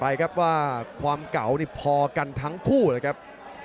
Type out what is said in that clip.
ไปครับว่าความเก่านี่พอกันทั้งคู่เลยครับ